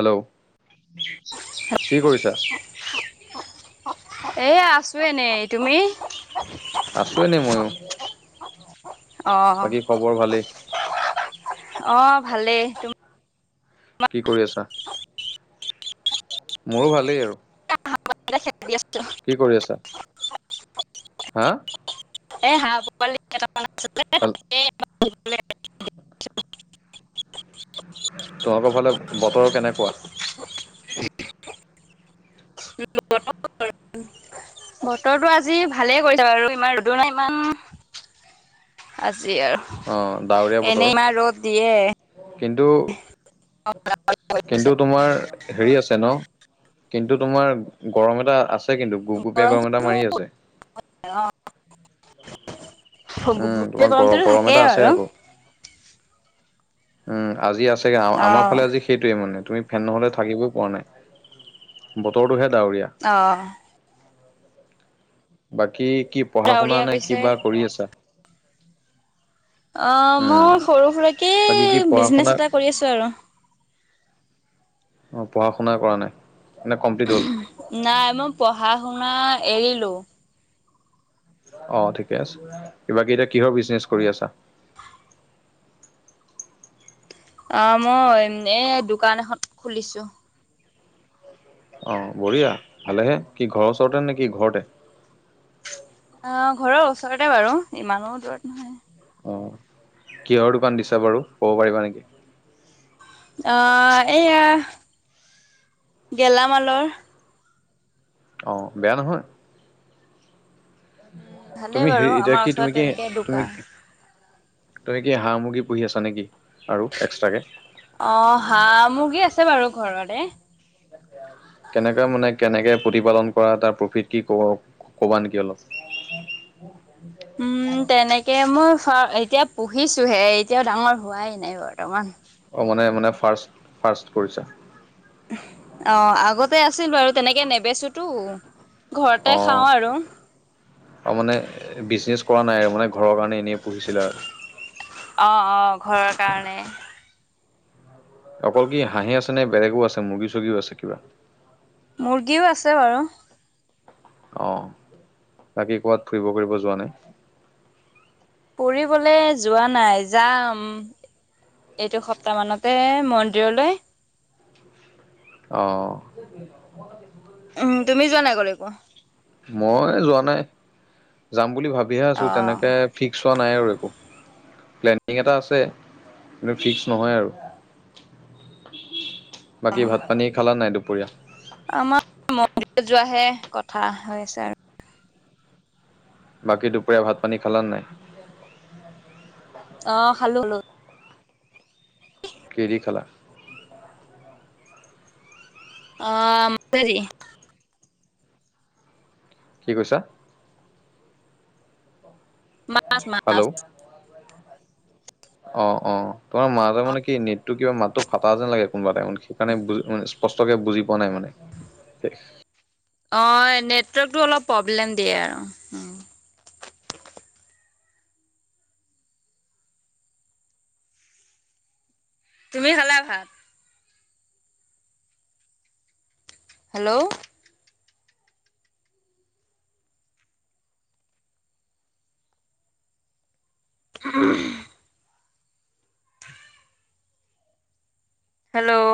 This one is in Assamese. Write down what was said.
হেল্ল', কি কৰিছা? এ আছো এনেই, তুমি? আছোঁ এনেই ময়ো। বাকী অ। খবৰ ভালেই। অ', ভালেই, তু কি কৰি আছা? মোৰো ভালেই আৰু। [unintelligible] কি কৰি আছা? [inaudible] হা। [unintelligible] তহঁতৰ ফালে বতৰ কেনেকুৱা? [unintelligible] বতৰটো আজি ভালে কৰিলে বাৰু ইমান ৰদো নাই, ইমান আজি আৰু, অ' ডাৱৰীয়া বতৰ। এনেই ইমান ৰ'দ দিয়ে। কিন্তু, কিন্তু তোমাৰ হেৰি আছে ন'? কিন্তু, তোমাৰ গৰম এটা আছে কিন্তু, গোপগুপিয়া গৰম এটা মাৰি আছে। অহ উম, গুপগুপিয়া তোমাৰ গৰ গৰমটোতো গৰম এটা থাকেই আছে আৰু। আকৌ। উম, আজি আছেগে, অ আমাৰ ফালে আজি সেইটোৱে মানে, তুমি ফেন নহ'লে থাকিবই পোৱা নাই বতৰটোহে ডাৱৰীয়া। অঁ। বাকী কি পঢ়া শুনা ডাৱৰীয়া নে কৰিছে কিবা কৰি আছা? অ', উম, মই সৰু সুৰাকে বাকী কি পঢ়া শুনা বিজনেচ এটা কৰি আছো আৰু। অ পঢ়া শুনা কৰা নাই? নে কমপ্লিট হ'ল? নাই, মই পঢ়া শুনা এৰিলো। অ ঠিকে আছে। বাকি এতিয়া কিহৰ বিজনেচ কৰি আছা? অ মই এই দোকান এখন খুলিছো। অ বঢ়িয়া, ভালেহে, কি ঘৰৰ ওচৰতে নে কি ঘৰতে?। অ ঘৰৰ ওচৰতে বাৰু, ইমানো দূৰত নহয়। উম, কিহৰ দোকান দিছা বাৰু, ক'ব পাৰিবা নেকি? অ', এইয়া, গেলামালৰ। অ', বেয়া নহয়। উম ভালেই তুমি হে, বাৰু এতিয়া আমাৰ কি, ওচৰত তুমি কি, তেনেকে তুমি দোকান কি তুমি কি, হাঁহ মুৰ্গী পুহি আছা নে কি? আৰু এক্সট্ৰাকে? অ হাঁহ মুৰ্গী আছে বাৰু ঘৰতে। কেনেকে মানে কেনেকে প্ৰতিপালন কৰা তাৰ প্ৰফিট কি? ক-কবানেকি অলপ। উম, তেনেকে মই এতিয়া পঢ়িছোঁহে এতিয়াও ডাঙৰ হোৱাই নাই বৰ্তমান। অ মানে মানে ফাৰ্ষ্ট ফাৰ্ষ্ট কৰিছা। অ আগতে আছিল বাৰু তেনেকে নেবেচোতো অ ঘৰতে খাওঁ আৰু। অ মানে বিজনেছ কৰা নাই আৰু মানে ঘৰৰ কাৰণে এনেই পুহিছিলা আৰু। অ অ ঘৰৰ কাৰণে। অকল কি হাঁহে আছে নে বেলেগো আছে মুৰ্গী চুগ্ৰি আছে কিবা? মুৰ্গীও আছে বাৰু। অ বাকী ক'বাত ফুৰিব, কৰিব যোৱা নাই? ফুৰিবলৈ যোৱা নাই, যাম এইটো সপ্তাহমানতে, মন্দিৰলৈ। অহ। উম, তুমি যোৱা নাই কলেকো?। মই যোৱা নাই। যাম বুলি ভাবিহে আছো, অ'। তেনেকে ফিক্স হোৱা নাই আৰু একো। প্লেনিং এটা আছে কিন্তু ফিক্স নহয় আৰু। বাকী অ', ভাত পানী খালা নাই দুপৰীয়া? আমাৰ মন্দিৰত যোৱাহে কথা হৈ আছে আৰু। বাকী দুপৰীয়া ভাত পানী খালানে নাই? অ খালো খালো। কিহেদি খালা? [unintelligible] কি কৈছা? মাছ হেল্ল' মাছ অ অ তোমাৰ মাজে মানে কি নিটটো কিবা মাতটো ফাটা যেন লাগে কোনোবা টাইমত সেইকাৰণে স্পষ্টকে বুজি পোৱা নাই মানে। অ নেটৱৰ্কতটো অলপ প্ৰব্লেম দিয়ে আৰু উম তুমি খালা ভাত? Hello [unintelligible] hello